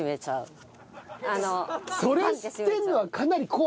それ知ってるのはかなりコアですね。